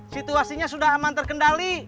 situasinya sudah aman terkendali